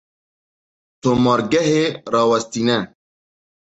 Tomargehê rawestîne.